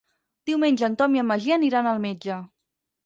Diumenge en Tom i en Magí aniran al metge.